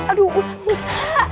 aduh usah usah